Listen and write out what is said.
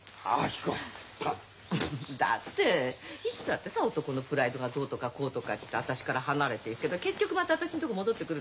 だっていつだってさ男のプライドがどうとかこうとかって言って私から離れていくけど結局また私んとこ戻ってくるでしょ。